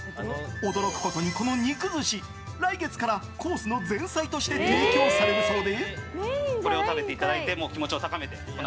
驚くことに、この肉寿司来月からコースの前菜として最高のお店じゃないか！